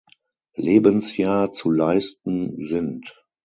Lebensjahr zu leisten sind.